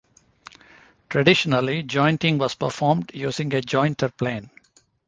Traditionally, jointing was performed using a jointer plane.